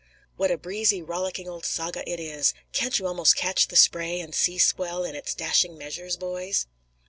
What a breezy, rollicking old saga it is! Can't you almost catch the spray and sea swell in its dashing measures, boys?